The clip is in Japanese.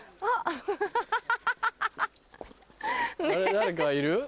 誰かいる？